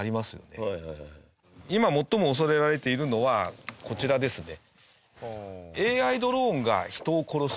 今最も恐れられているのはこちらですね。